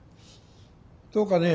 どうかね？